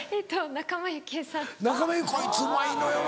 仲間由紀恵こいつうまいのよな。